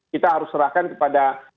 kita harus serahkan kepada